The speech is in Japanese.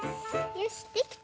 よしできた！